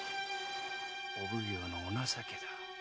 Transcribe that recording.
お奉行のお情けだ。